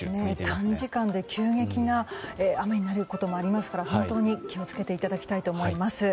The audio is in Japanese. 短時間で急激な雨になることもありますから本当に気を付けていただきたいと思います。